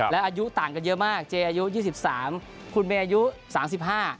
และอายุต่างกันเยอะมากเจอายุยี่สิบสามคุณเมย์อายุสามสิบห้า